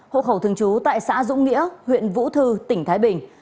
hộ khẩu thường trú tại xã dũng nghĩa huyện vũ thư tỉnh thái bình